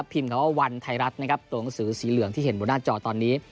คำว่าวันไทยรัฐนะครับตัวหนังสือสีเหลืองที่เห็นบนหน้าจอตอนนี้